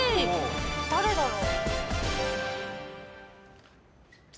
誰だろう？